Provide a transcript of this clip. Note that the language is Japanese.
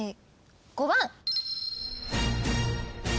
５番。